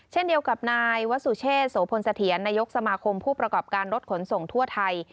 เช่นเดียวกับนายวสุเชษโสพลเสถียรนายกสมาคมผู้ประกอบการรถขนส่งทั่วไทย